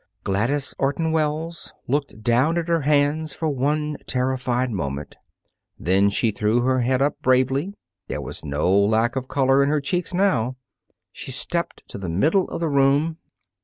Gladys Orton Wells looked down at her hands for one terrified moment, then she threw her head up bravely. There was no lack of color in her cheeks now. She stepped to the middle of the room.